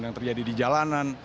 yang terjadi di jalanan